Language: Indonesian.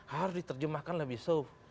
harus diterjemahkan lebih soft